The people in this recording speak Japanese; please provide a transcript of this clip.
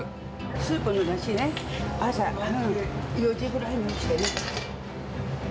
スープのだしね、朝４時ぐらいに起きてね。